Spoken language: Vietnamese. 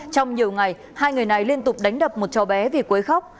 trong nhiều ngày hai người này liên tục đánh đập một cháu bé vì quấy khóc